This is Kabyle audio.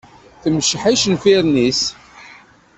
Temceḥ icenfiren-is.